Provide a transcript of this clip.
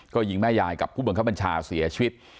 ก็ยิงแม่ยายกับกุฎเมื่อกับบัญชาเสียชีวิต